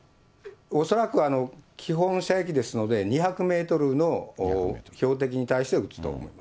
恐らく基本射撃ですので、２００メートルの標的に対して撃つと。